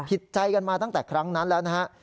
ผิดใจกันมาตั้งแต่ครั้งนั้นแล้วนะฮะ